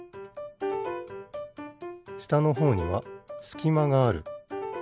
したのほうにはすきまがある。